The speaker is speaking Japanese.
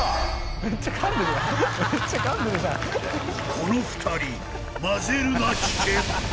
この２人混ぜるな危険。